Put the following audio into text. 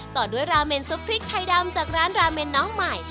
ต่อด้วยราเมนซุปพริกไทยดำจากร้านราเมนน้องใหม่